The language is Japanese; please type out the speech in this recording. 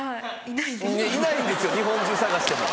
いないですよ日本中探しても。